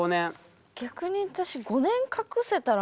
逆に私